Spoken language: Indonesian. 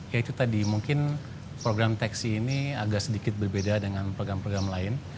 ya itu tadi mungkin program teksi ini agak sedikit berbeda dengan program program lain